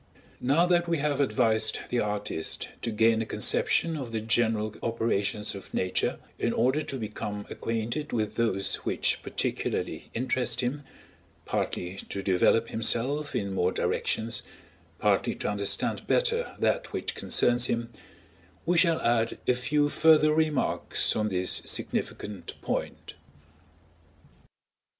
Now that we have advised the artist to gain a conception of the general operations of Nature, in order to become acquainted with those which particularly interest him, partly to develop himself in more directions, partly to understand better that which concerns him; we shall add a few further remarks on this significant point.